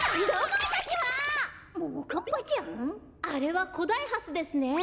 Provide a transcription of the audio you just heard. あれはコダイハスですね。